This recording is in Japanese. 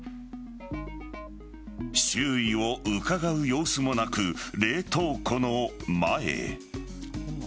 周囲をうかがう様子もなく冷凍庫の前へ。